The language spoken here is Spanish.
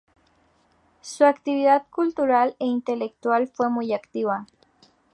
Su actividad cultural e intelectual fue muy activa.